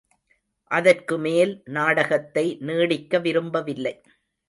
அதற்குமேல் நாடகத்தை நீடிக்க விரும்பவில்லை.